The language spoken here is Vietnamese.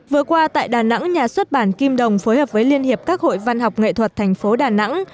vừa qua tại đà nẵng nhà xuất bản kim đồng phối hợp với liên hiệp các hội văn học nghệ thuật thành phố đà nẵng